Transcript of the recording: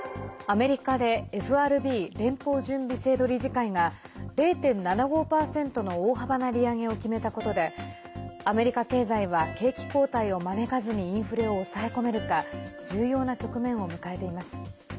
アメリカでＦＲＢ＝連邦準備制度理事会が０．７５％の大幅な利上げを決めたことでアメリカ経済は景気後退を招かずにインフレを抑え込めるか重要な局面を迎えています。